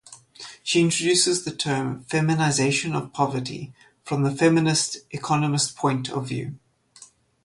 She introduces the term "feminization of poverty" from the feminist economist point of view.